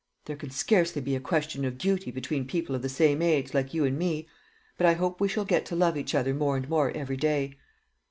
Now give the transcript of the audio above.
"There can scarcely be a question of duty between people of the same age, like you and me. But I hope we shall get to love each other more and more every day."